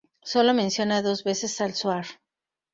Sólo menciona dos veces el Zohar.